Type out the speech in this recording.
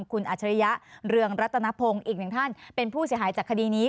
คุณอัจฉริยะเรืองรัตนพงศ์อีกหนึ่งท่านเป็นผู้เสียหายจากคดีนี้